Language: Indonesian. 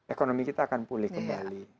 ekonomi kita akan pulih kembali